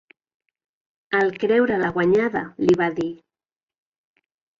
Al creure-la guanyada, li va dir: